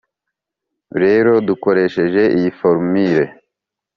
rero dukoresheje iyi forumule,